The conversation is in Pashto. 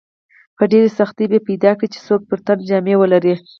په ډېرې سختۍ به پیدا کړې چې څوک پر تن جامې ولري.